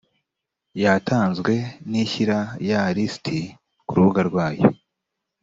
yatanzwe ntishyira ya lisiti ku rubuga rwayo